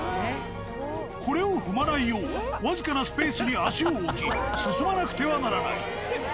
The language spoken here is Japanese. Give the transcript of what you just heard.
これを踏まないよう、僅かなスペースに足を置き、進まなくてはならない。